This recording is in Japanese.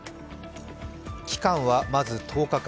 期間は、まず１０日間。